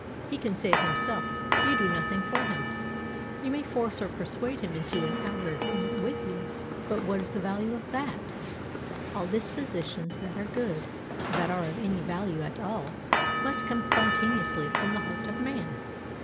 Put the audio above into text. He can save himself; you can do nothing for him. You may force or persuade him into an outer agreement with you, but what is the value of that? All dispositions that are good, that are of any value at all, must come spontaneously from the heart of man.